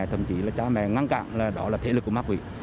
thậm chí là cha mẹ ngăn cản là đó là thể lực của má quỷ